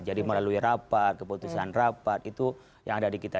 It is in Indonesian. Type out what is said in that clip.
jadi melalui rapat keputusan rapat itu yang ada di kita